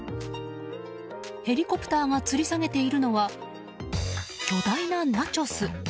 ヘリコプターがつり下げているのは巨大なナチョス。